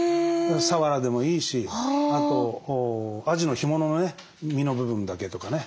さわらでもいいしあとあじの干物のね身の部分だけとかね。